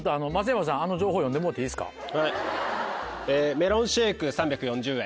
「メロンシェーク３４０円。